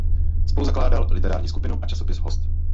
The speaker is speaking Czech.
Spoluzakládal Literární skupinu a časopis Host.